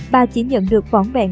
bà chỉ nhận được võn vẹn